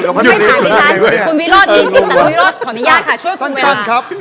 คุณวิวรอธมินทริย์สิทธิ์คุณวิวรอธขออนุญาตค่ะช่วยคุณเวลา